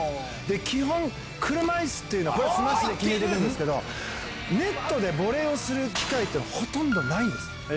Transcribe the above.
基本、車いすというのは、これスマッシュで決めてくるんですけど、ネットでボレーをする機会っていうのはほとんどないんです。